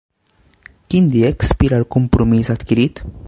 Quin dia expira el compromís adquirit?